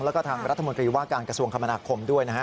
แล้วก็ทางรัฐมนตรีว่าการกระทรวงคมนาคมด้วยนะฮะ